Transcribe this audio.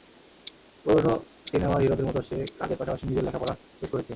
পুরোনো সিনেমার হিরোদের মতো সে, কাজের পাশাপাশি নিজের লেখাপড়া শেষ করেছে।